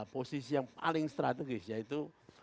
posisi yang paling strategis yaitu